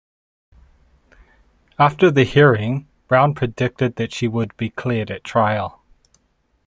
After the hearing, Brown predicted that she would be cleared at trial.